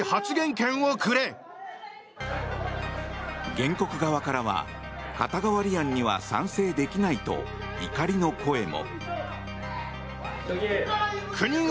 原告側からは肩代わり案には賛成できないと怒りの声も。